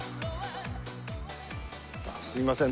すいません。